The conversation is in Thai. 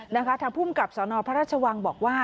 ทางภูมิกับสนพระราชวังบอกว่า